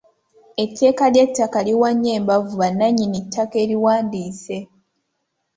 Etteeka ly’ettaka liwa nnyo embavu bannanyini ttaka eriwandiise.